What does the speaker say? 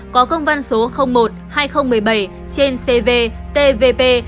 có công văn số một hai nghìn một mươi bảy trên cv tvp